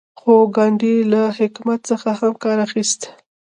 خو ګاندي له حکمت څخه هم کار اخیست.